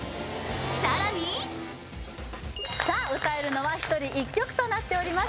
さらにさあ歌えるのは１人１曲となっております